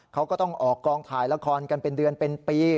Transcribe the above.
เขาก็ต้องออกกองถ่ายละครกันเป็นเดือนเป็นปี